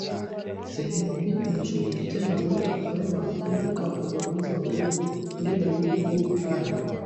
Sehemu hii inashughulikia magonjwa ambayo maambukizi au uvamizi wa ngozi ndio dalili kuu Haya